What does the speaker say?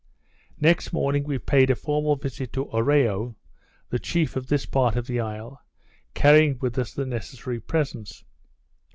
Next morning we paid a formal visit to Oreo, the chief of this part of the isle, carrying with us the necessary presents.